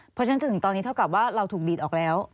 เพราะฉะนั้นจนถึงตอนนี้เท่ากับว่าเราถูกดีดออกแล้ว